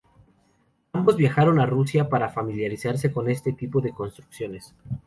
Ambos viajaron a Rusia para familiarizarse con este tipo de construcciones.